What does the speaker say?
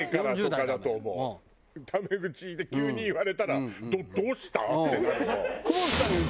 タメ口で急に言われたら「どどうした？」ってなるわ。